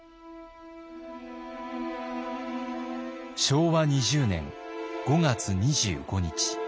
昭和２０年５月２５日。